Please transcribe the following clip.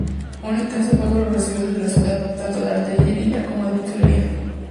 Un intenso fuego les recibió desde la ciudad, tanto de artillería como de fusilería.